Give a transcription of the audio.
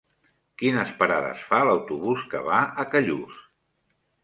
Quines parades fa l'autobús que va a Callús?